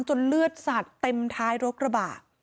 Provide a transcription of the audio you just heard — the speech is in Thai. เลือดสัดเต็มท้ายรกระบะ